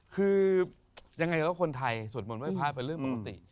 คือยังไงก็คนไทยสวดมนต์ไห้พระเป็นเรื่องปกติ